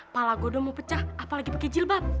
pala gue udah mau pecah apalagi pake jilbab